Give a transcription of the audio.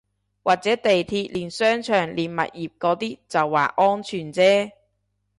或者地鐵連商場連物業嗰啲就話安全啫